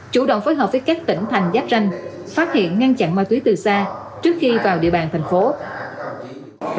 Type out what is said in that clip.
chủ động phối hợp với các tỉnh thành giáp ranh phát hiện ngăn chặn ma túy từ xa trước khi vào địa bàn thành phố